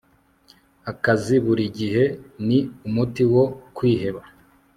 akazi buri gihe ni umuti wo kwiheba